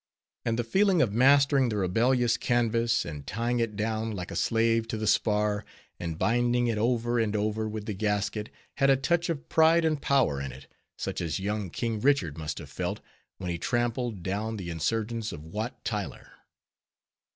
And the feeling of mastering the rebellious canvas, and tying it down like a slave to the spar, and binding it over and over with the gasket, had a touch of pride and power in it, such as young King Richard must have felt, when he trampled down the insurgents of Wat Tyler.